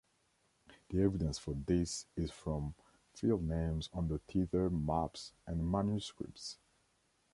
The evidence for this is from field names on tithe maps and manuscripts.